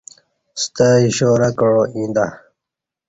ستہ اشارہ کعا ییں تہ۔